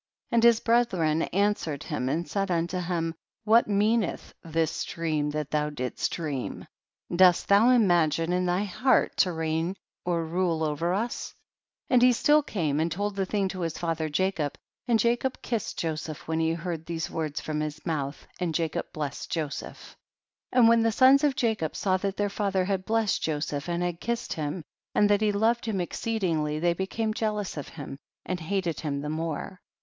11. And his brethren answered him and said unto him, what mean eth this dream that thou didst dream ? dost thou imagine in thy heart to reign or rule over us ? 12. And he still came, and told the thing to his father Jacob, and Jacob kissed Joseph when he heard these words from his mouth, and Jacob blessed Joseph. 13. And when the sons of Jacob saw that their father had blessed Joseph and had kissed him, and that he loved him exceedingly, they be came jealous of him and hated him the more.